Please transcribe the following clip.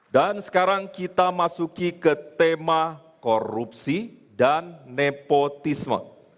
dan sekarang kita masuki ke tema korupsi dan nepotisme